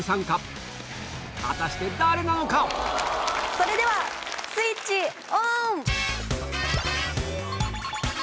それではスイッチオン！